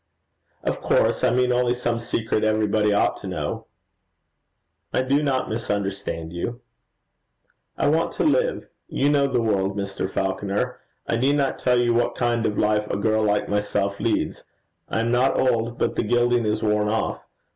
'Of course I mean only some secret everybody ought to know.' 'I do not misunderstand you.' 'I want to live. You know the world, Mr. Falconer. I need not tell you what kind of life a girl like myself leads. I am not old, but the gilding is worn off.